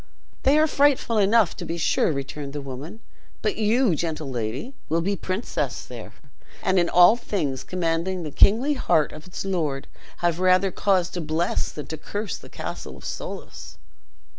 "They are frightful enough, to be sure," returned the woman; "but you, gentle lady, will be princess there; and in all things commanding the kingly heart of its lord, have rather cause to bless than to curse the castle of Soulis."